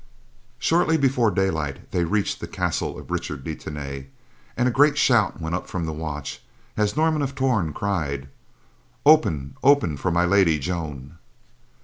Shortly before daylight they reached the castle of Richard de Tany, and a great shout went up from the watch as Norman of Torn cried: "Open! Open for My Lady Joan."